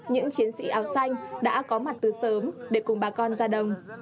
những chiến sĩ áo xanh đã có mặt từ sớm để cùng bà con ra đồng